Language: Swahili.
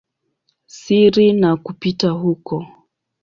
siri na kupita huko.